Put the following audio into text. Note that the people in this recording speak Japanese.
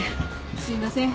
すいません。